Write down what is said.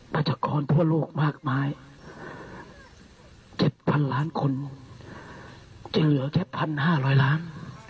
ปัจจักรทั่วโลกมากมาย๗๐๐๐ล้านคนเจอแค่๑๕๐๐ล้าน